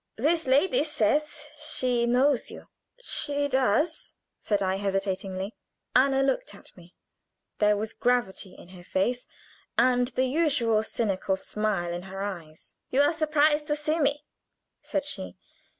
This lady says she knows you." "She does," said I, hesitatingly. Anna looked at me. There was gravity in her face, and the usual cynical smile in her eyes. "You are surprised to see me," said she.